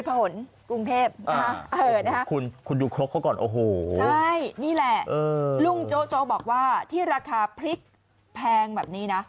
ที่ผ่านกรุงเทพฯคุณดูครบเขาก่อนนี่แหละลุงโจโจ้บอกว่าที่ราคาพริกแพงแบบนี้นะ